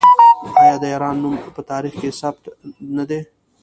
آیا د ایران نوم په تاریخ کې ثبت نه دی؟